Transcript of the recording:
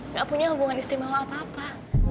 nggak punya hubungan istimewa apa apa